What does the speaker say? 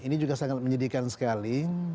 ini juga sangat menyedihkan sekali